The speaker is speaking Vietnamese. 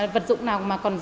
vật dụng nào mà còn dùng